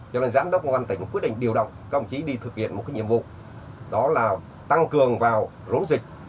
cho nên giám đốc công an tỉnh quyết định điều động các ông chí đi thực hiện một cái nhiệm vụ đó là tăng cường vào rốn dịch